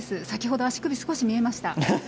先ほど足首、少し見えました。